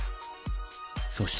そして。